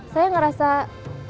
saya ngerasa ada rasa cinta